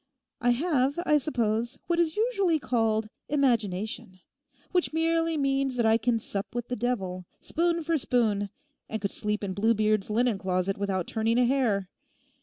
I have, I suppose, what is usually called imagination; which merely means that I can sup with the devil, spoon for spoon, and could sleep in Bluebeard's linen closet without turning a hair.